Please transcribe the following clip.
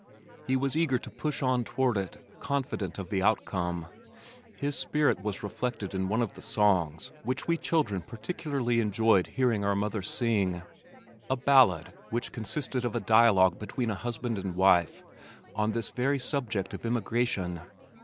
He was eager to push on toward it, confident of the outcome. His spirit was reflected in one of the songs which we children particularly enjoyed hearing our mother sing, a ballad which consisted of a dialogue between a husband and wife on this very subject of emigration.